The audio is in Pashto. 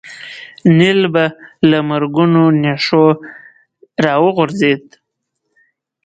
نیل به له مرګونو نېشو راوغورځېد.